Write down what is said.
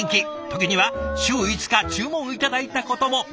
時には週５日注文を頂いたことも。